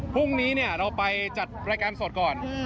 พรุ่งนี้เราไปจัดรายการสดก่อน